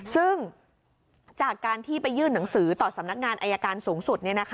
ซึ่งจากการที่ไปยื่นหนังสือต่อสำนักงานอายการสูงสุด